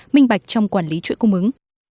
minh bạch trong quản lý chuỗi cung ứng